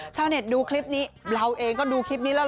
ชาวเน็ตดูคลิปนี้เราเองก็ดูคลิปนี้แล้ว